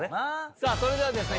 さあそれではですね